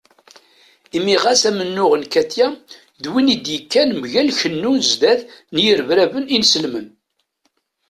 Imi ɣas amennuɣ n Katiya d win i d-yekkan mgal kennu zdat n yirebraben inselmen.